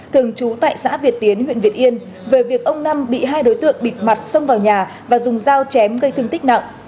thường trú tại xã việt tiến huyện việt yên về việc ông năm bị hai đối tượng bịt mặt xông vào nhà và dùng dao chém gây thương tích nặng